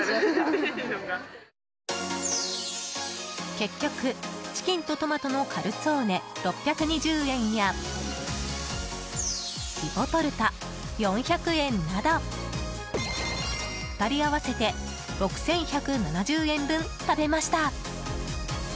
結局、チキンとトマトのカルツォーネ、６２０円やティポトルタ、４００円など２人合わせて６１７０円分食べました。